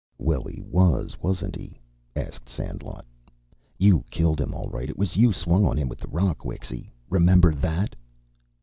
"Well, he was, wasn't he?" asked Sandlot. "You killed him all right. It was you swung on him with the rock, Wixy, remember that!"